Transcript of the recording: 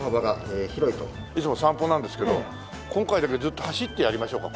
いつも散歩なんですけど今回だけずっと走ってやりましょうか？